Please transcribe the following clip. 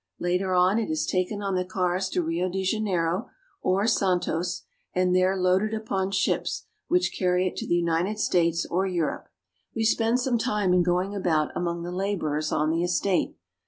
Later on it is taken on the cars to Rio de Janeiro or San tos, and there loaded upon ships which carry it to the United States or to Europe. We spend some time in going about among the labor ers on the estate.